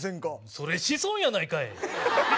それ子孫やないかい！